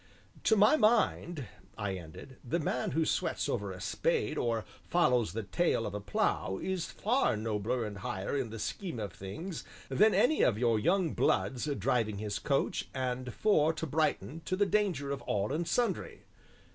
"To my mind," I ended, "the man who sweats over a spade or follows the tail of a plough is far nobler and higher in the Scheme of Things than any of your young 'bloods' driving his coach and four to Brighton to the danger of all and sundry."